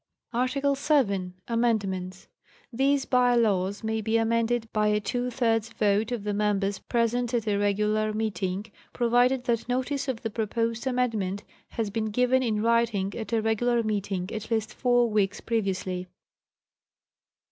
ARTICLE VII. AMENDMENTS. * These by laws may be amended by a two thirds vote of the members present at a regular meeting, provided that notice of the proposed amendment has been given in writing at a regular meeting at least four weeks previously.